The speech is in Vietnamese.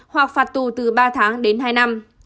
hoặc phạt tù từ ba tháng đến hai năm